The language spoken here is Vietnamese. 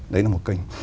đấy là một kênh